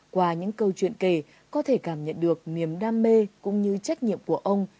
qua những câu chuyện kể có thể cảm nhận được niềm đam mê cũng như trách nhiệm của ông